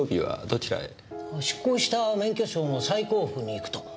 失効した免許証の再交付に行くと。